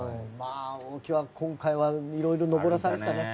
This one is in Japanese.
大木は、今回はいろいろ登らされてたね。